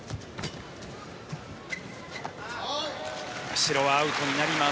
後ろはアウトになります。